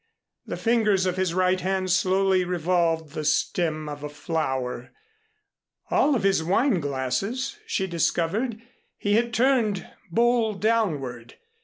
The fingers of his right hand slowly revolved the stem of a flower. All of his wine glasses she discovered he had turned bowl downward.